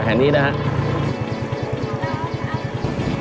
แห่งนี้นะครับ